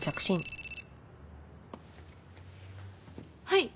はい。